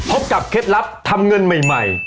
พบกับเคล็ดลับทำเงินใหม่